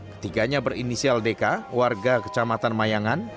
ketiganya berinisial deka warga kecamatan mayangan